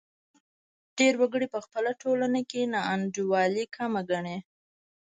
ډېر وګړي په خپله ټولنه کې ناانډولي کمه ګڼي.